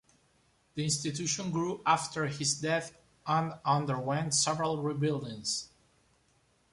The institution grew after his death and underwent several rebuildings.